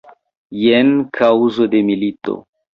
Jen kaŭzo de milito.